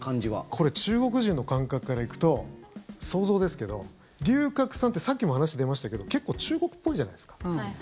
これ中国人の感覚からいくと想像ですけど、龍角散ってさっきも話出ましたけど結構中国っぽいじゃないですか。